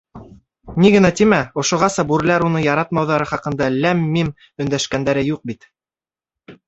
Ни генә тимә, ошоғаса бүреләр уны яратмауҙары хаҡында ләм-мим өндәшкәндәре юҡ бит.